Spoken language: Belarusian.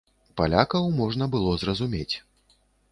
Палякаў можна было зразумець.